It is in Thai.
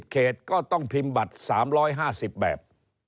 เขตก็ต้องพิมพ์บัตร๓๕๐แบบ